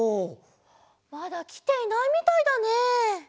まだきていないみたいだね。